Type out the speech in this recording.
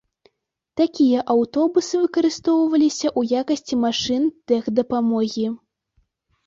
Такія аўтобусы выкарыстоўваліся ў якасці машын тэхдапамогі.